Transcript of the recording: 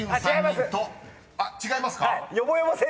［違いますか？］